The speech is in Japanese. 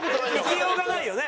行きようがないよね。